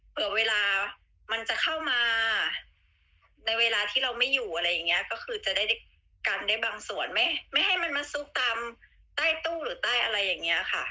เผื่อเวลามันจะเข้ามาในเวลาที่เราไม่อยู่อะไรอย่างเงี้ยก็คือจะได้กันได้บางส่วนไม่ให้มันมาซุกตามใต้ตู้หรือใต้อะไรอย่างนี้ค่ะ